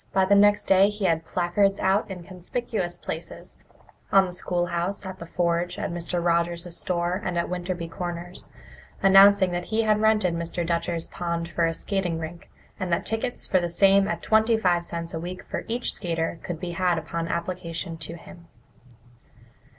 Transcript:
By the next day he had placards out in conspicuous places on the schoolhouse, at the forge, at Mr. Rogers's store, and at Winterby Corners announcing that he had rented Mr. Dutcher's pond for a skating rink, and that tickets for the same at twenty five cents a week for each skater could be had upon application to him.